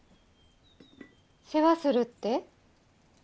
世話するって？